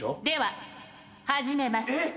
では始めます。